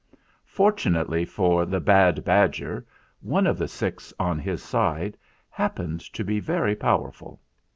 Fortunately for the bad badger one of the six on his side happened to be very powerful.